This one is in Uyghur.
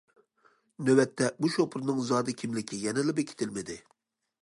نۆۋەتتە بۇ شوپۇرنىڭ زادى كىملىكى يەنىلا بېكىتىلمىدى.